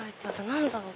何だろう？